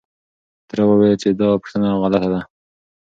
تره وويل چې دا پوښتنه غلطه ده.